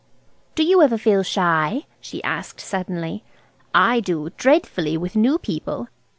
"Do you ever feel shy," she asked suddenly. "I do, dreadfully, with new people."